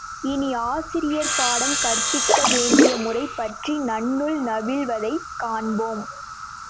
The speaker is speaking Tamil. இனி, ஆசிரியர் பாடம் கற்பிக்க வேண்டிய முறை பற்றி நன்னூல் நவில்வதைக் காண்போம்.